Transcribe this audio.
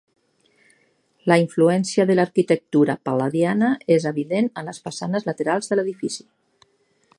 La influència de l'arquitectura pal·ladiana és evident en les façanes laterals de l'edifici.